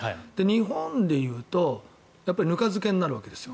日本でいうとぬか漬けになるわけです。